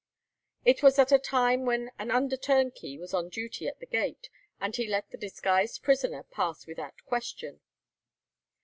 It was at a time when an under turnkey was on duty at the gate, and he let the disguised prisoner pass without question.